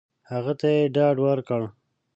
هغه ته یې ډاډ ورکړ !